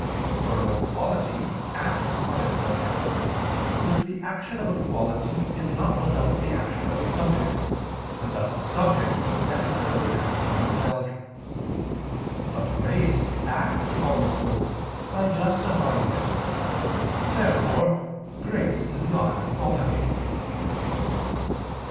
For no quality acts on its subject, since the action of a quality is not without the action of its subject, and thus the subject would necessarily act upon itself. But grace acts upon the soul, by justifying it. Therefore grace is not a quality.